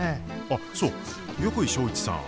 あっそう横井庄一さん。